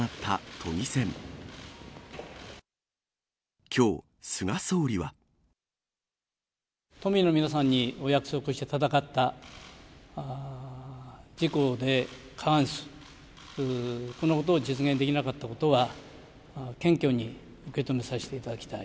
都民の皆さんにお約束して戦った自公で過半数、このことを実現できなかったことは、謙虚に受け止めさせていただきたい。